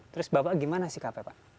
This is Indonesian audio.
terus bapak gimana sih k p pak